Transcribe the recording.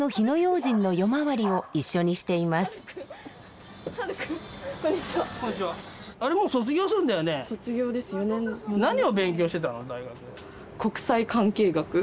国際関係学。